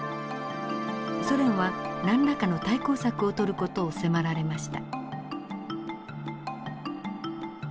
ソ連は何らかの対抗策をとる事を迫られました。